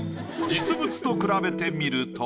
実物と比べてみると。